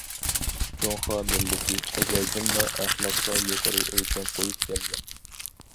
جۇڭخۇا مىللىتى ئەزەلدىنلا ئەخلاققا يۇقىرى ئۆلچەم قويۇپ كەلگەن.